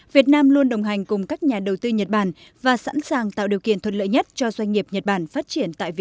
xin chào và hẹn gặp lại